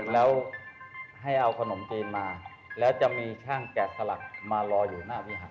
แล้วให้เอาขนมจีนมาแล้วจะมีช่างแกะสลักมารออยู่หน้าพี่หัก